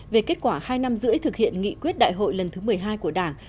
về kết quả hai năm rưỡi thực hiện nghị quyết đại hội lần thứ một mươi hai của đảng